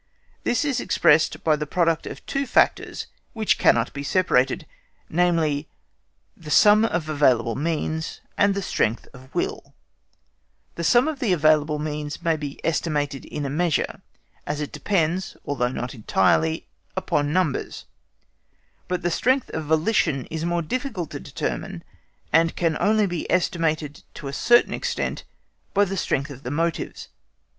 This is expressed by the product of two factors which cannot be separated, namely, the sum of available means and the strength of the Will. The sum of the available means may be estimated in a measure, as it depends (although not entirely) upon numbers; but the strength of volition is more difficult to determine, and can only be estimated to a certain extent by the strength of the motives.